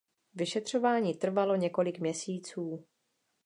Vyšetřování trvalo několik měsíců.